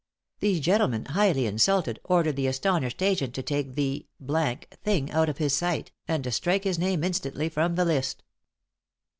The gentleman, highly insulted, ordered the astonished agent to take "the thing" out of his sight, and to strike his name instantly from the list.